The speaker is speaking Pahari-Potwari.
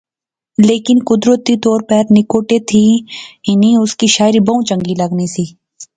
لیکن قدرتی طور پر نکوٹے تھی ہنی اس کی شاعری بہوں چنگی لغنی سی